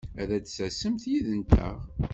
Ad d-tasemt yid-nteɣ!